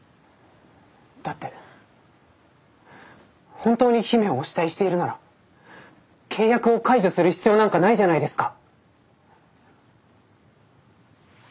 だって本当に姫をお慕いしているなら契約を解除する必要なんかないじゃないですか。